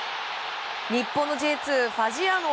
日本のＪ２ファジアーノ